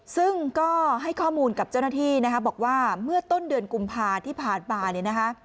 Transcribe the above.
ซึ่งก็ให้ข้อมูลกับเจ้าหน้าที่นะคะบอกว่าเมื่อต้นเดือนกุมภาที่ผ่านมาเนี่ยนะคะ